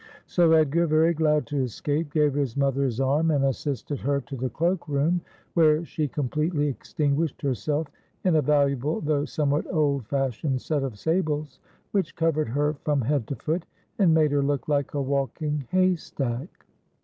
So Edgar, very glad to escape, gave his mother his arm and assisted her to the cloak room, where she completely extinguished herself in a valuable though somewhat old fashioned set of sables, which covered her from head to foot, and made her look like a walking haystack.